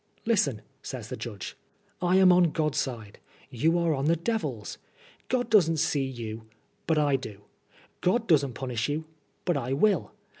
"Listen," says the judge. "I am on God's side. You are on the Devil's. God doesn't see you, but I do ; God doesn't punish you, but I will.